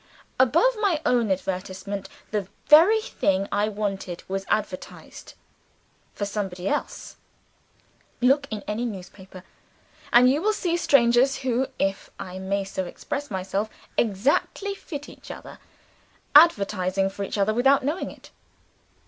Above my own advertisement, the very thing I wanted was advertised for by somebody else! Look in any newspaper; and you will see strangers who (if I may so express myself) exactly fit each other, advertising for each other, without knowing it.